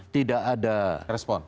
tidak ada respon